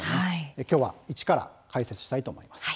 きょうは一から解説したいと思います。